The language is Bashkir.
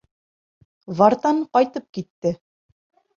Вартан ҡайтып китте!